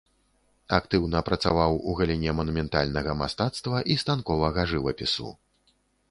Актыўна працаваў у галіне манументальнага мастацтва і станковага жывапісу.